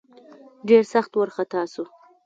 ډېر سخت وارخطا سو.